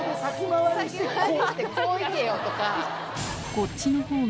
「こ」いけよとか。